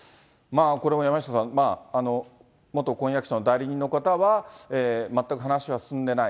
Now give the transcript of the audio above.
これも山下さん、元婚約者の代理人の方は、全く話は進んでいない。